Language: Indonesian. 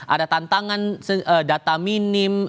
ada tantangan data minim